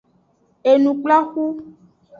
Enukplaxu.